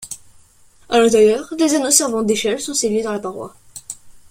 À l'intérieur, des anneaux servant d'échelle sont scellés dans la paroi.